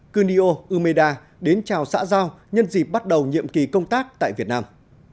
kunio umeda đến chào xã giao nhân dịp bắt đầu nhiệm kỳ công tác tại việt nam